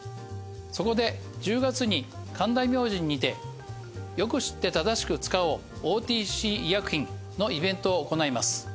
そこで１０月に神田明神にてよく知って正しく使おうＯＴＣ医薬品のイベントを行います。